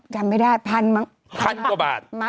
จำไม่ได้พันมั้งพันกว่าบาท